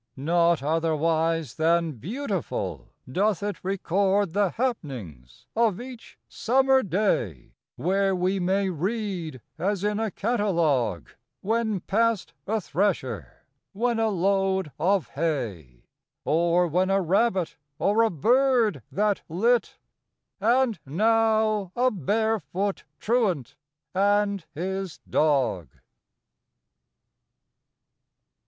Not otherwise than beautiful, doth it Record the happ'nings of each summer day; Where we may read, as in a catalogue, When passed a thresher; when a load of hay; Or when a rabbit; or a bird that lit; And now a bare foot truant and his dog.